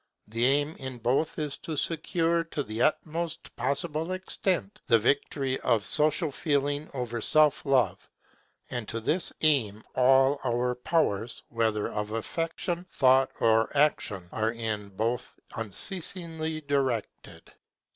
The aim in both is to secure, to the utmost possible extent, the victory of Social feeling over Self love; and to this aim all our powers, whether of affection, thought, or action, are in both unceasingly directed.